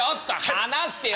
「離してよ！」。